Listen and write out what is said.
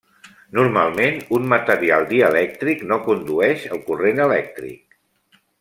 Normalment, un material dielèctric no condueix el corrent elèctric.